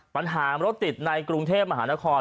ปัญหารถติดในกรุงเทพมหานคร